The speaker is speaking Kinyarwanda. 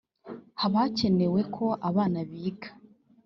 Haba hacyenewe ko abana biga